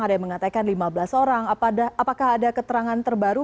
ada yang mengatakan lima belas orang apakah ada keterangan terbaru